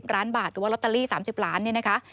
ล้านบาทหรือว่าลอตเตอรี่๓๐ล้านเนี่ยนะคะ